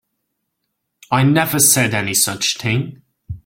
I never said any such thing.